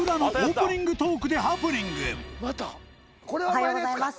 おはようございます。